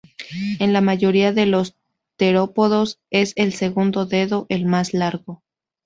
En la mayoría de los terópodos es el segundo dedo el más largo.